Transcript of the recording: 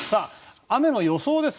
雨の予想です。